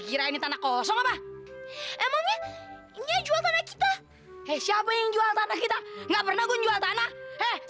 gak payah ngasih tau gue